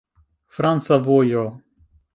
Franca vojo.